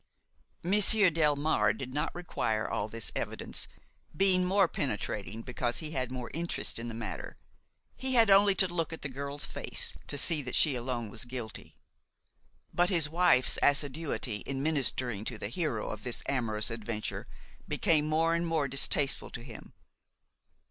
Monsieur Delmare did not require all this evidence; being more penetrating because he had more interest in the matter, he had only to look at the girl's face to see that she alone was guilty. But his wife's assiduity in ministering to the hero of this amorous adventure became more and more distasteful to him.